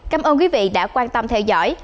cảm ơn quý vị đã quan tâm theo dõi